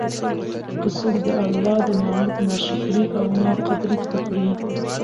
که څوک د الله د نعمت نا شکري او نا قدري وکړي